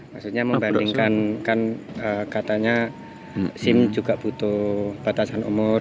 maksudnya membandingkan kan katanya sim juga butuh batasan umur